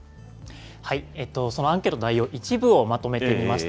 そのアンケートの内容、一部をまとめてみました。